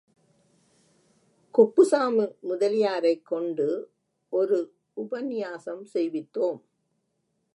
குப்புசாமி முதலியாரைக் கொண்டு ஒரு உபன்யாசம் செய்வித்தோம்.